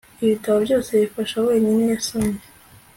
ibitabo byose bifasha wenyine yasomye